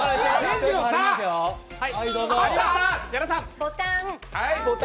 ボタン。